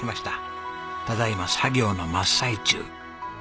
ただ今作業の真っ最中。